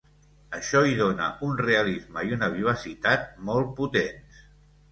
Això hi dóna un realisme i una vivacitat molt potents.